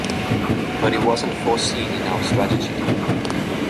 But it wasn’t foreseen in our strategy.